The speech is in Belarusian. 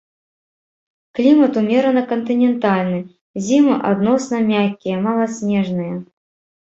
Клімат умерана кантынентальны, зімы адносна мяккія, маласнежныя.